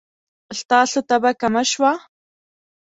ستاسو تبه کمه شوه؟